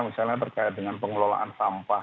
misalnya terkait dengan pengelolaan sampah